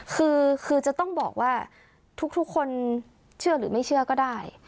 คือจะต้องบอกว่าทุกคนเชื่อหรือไม่เชื่อก็ได้